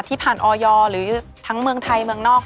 ที่ผ่านออยหรือทั้งเมืองไทยเมืองนอก